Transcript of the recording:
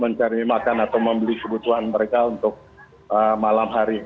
mencari makan atau membeli kebutuhan mereka untuk malam hari